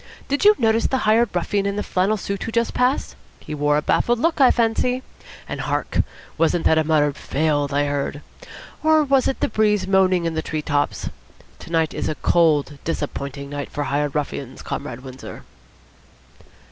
Did you notice the hired ruffian in the flannel suit who just passed? He wore a baffled look, I fancy. And hark! Wasn't that a muttered 'Failed!' I heard? Or was it the breeze moaning in the tree tops? To night is a cold, disappointing night for Hired Ruffians, Comrade Windsor."